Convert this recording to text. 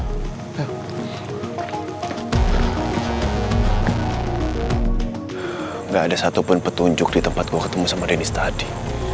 tidak ada satupun petunjuk di tempat saya ketemu dengan dennis tadi